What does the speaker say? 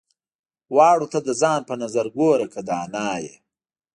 واړو ته د ځان په نظر ګوره که دانا يې.